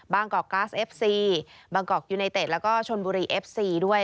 บางกอกกาสเอฟซีบางกอกยูเนเธอร์และก็ชนบุรีเอฟซีด้วย